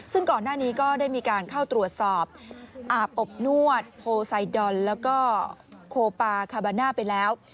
ซึ่งก่อนหน้านี้ก็ได้มีการเข้าตรวจสอบอาบอบนวดโพไซดอนแล้วก็โคปาคาบาน่าไปแล้ว